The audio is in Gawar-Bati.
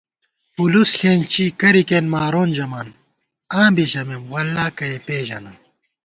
پُولُوس ݪېنچی ، کرِیکېن مارون ژمان، آں بی ژمېم “واللہ کَہ یےپېژَنم”